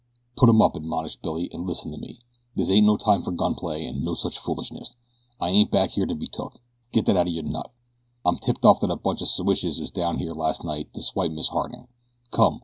"Put 'em up!" admonished Billy, "and listen to me. This ain't no time fer gunplay or no such foolishness. I ain't back here to be took get that out o' your nut. I'm tipped off that a bunch o' siwashes was down here last night to swipe Miss Harding. Come!